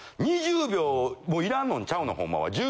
２０秒もいらんのんちゃうの？